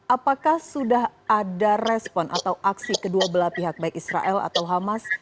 apakah sudah ada respon atau aksi kedua belah pihak baik israel atau hamas